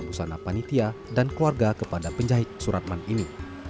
busana panitia dan keluarga kepada penjahit suratman ini